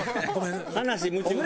話夢中で。